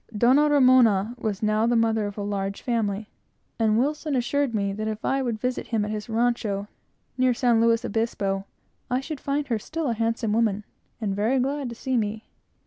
Doña Ramona was now the mother of a large family, and Wilson assured me that if I would visit him at his rancho, near San Luis Obispo, I should find her still a handsome woman, and very glad to see me.